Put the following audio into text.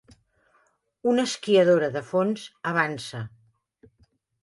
Una esquiadora de fons avança.